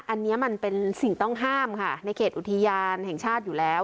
อันนี้มันเป็นสิ่งต้องห้ามค่ะในเขตอุทยานแห่งชาติอยู่แล้ว